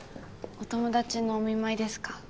お友達のお見舞いですか？